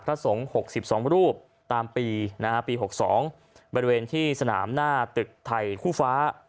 สงฆ์๖๒รูปตามปีปี๖๒บริเวณที่สนามหน้าตึกไทยคู่ฟ้า